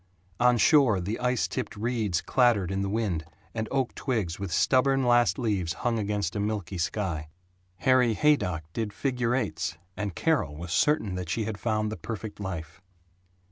On shore the ice tipped reeds clattered in the wind, and oak twigs with stubborn last leaves hung against a milky sky. Harry Haydock did figure eights, and Carol was certain that she had found the perfect life.